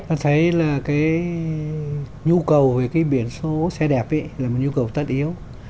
ta thấy là cái nhu cầu về cái biển số xe đẹp ấy là một nhu cầu tất yếu